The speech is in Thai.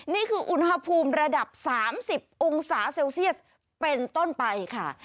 นี่คืออุณหภูมิระดับ๓๐องศาเซลเซียสเป็นต้นไปค่ะ